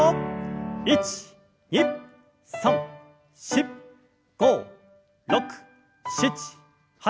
１２３４５６７８。